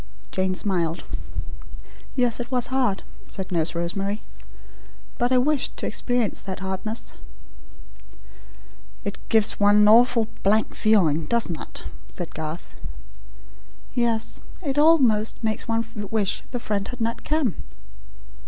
Jane smiled. "Yes, it was hard," said Nurse Rosemary; "but I wished to experience that hardness." "It gives one an awful blank feeling, doesn't it?" said Garth. "Yes. It almost makes one wish the friend had not come."